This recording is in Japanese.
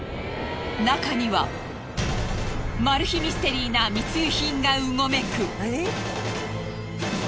中にはマル秘ミステリーな密輸品がうごめく。